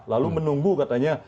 lalu menunggu katanya